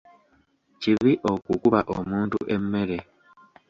Kibi okukukuba omuntu emmere.